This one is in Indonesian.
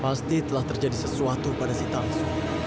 pasti telah terjadi sesuatu pada si tang su